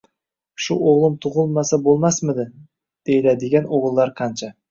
“Shu o‘g‘lim tug‘ilmasa bo‘lmasmidi?!” deyiladigan o‘g‘illar qancha!